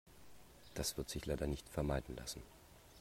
Das wird sich leider nicht vermeiden lassen.